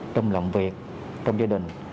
trong lòng việc trong gia đình